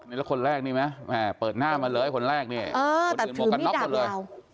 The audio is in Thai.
แล้วคนแรกพี่ไหมเปิดหน้ามาเลยคนแรกนี่เออแต่ถูกหมวกกะนกก่ะเลย